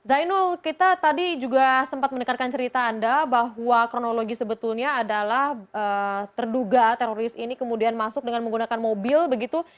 zainul kita tadi juga sempat mendengarkan cerita anda bahwa kronologi sebetulnya adalah terduga teroris ini kemudian masuk dengan menggunakan mobil begitu